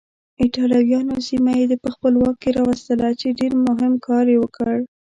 ایټالویانو سیمه یې په خپل واک کې راوستله چې ډېر مهم کار یې وکړ.